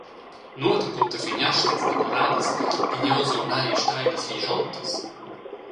Nuot encunter finiastras decoradas, pigneuls ornai e steilas glischontas.